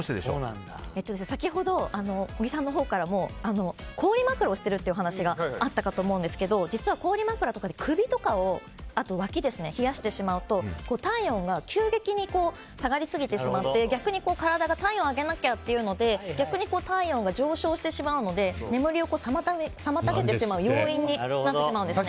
先ほど、小木さんのほうからも氷枕をしているという話があったかと思うんですけども実は氷枕で首やわきを冷やしてしまうと体温が急激に下がりすぎてしまって逆に体が体温を上げなきゃっていうので逆に体温が上昇してしまうので眠りを妨げてしまう要因になってしまうんです。